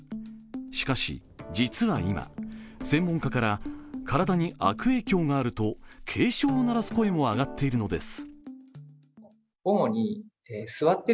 しかし、実は今、専門家から体に悪影響があると警鐘を鳴らす声も上がっているのです。